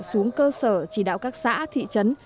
xuống cơ sở chỉ đạo các xã thị trấn